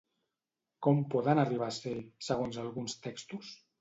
Com poden arribar a ser, segons alguns textos?